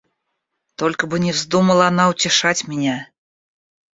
Только бы не вздумала она утешать меня!